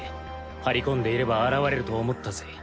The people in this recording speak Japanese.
張り込んでいれば現れると思ったぜ。